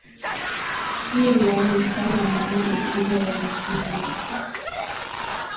Hilo lilifanya wanaume wakubwa wajisikie pungufu